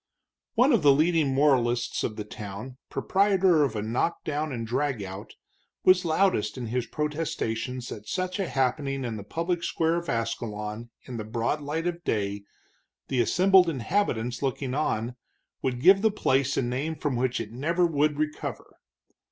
One of the leading moralists of the town, proprietor of a knock down and drag out, was loudest in his protestations that such a happening in the public square of Ascalon, in the broad light of day, the assembled inhabitants looking on, would give the place a name from which it never would recover.